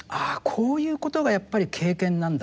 こういうことがやっぱり経験なんだって。